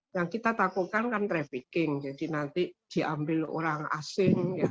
yang kita takutkan kan trafficking jadi nanti diambil orang asing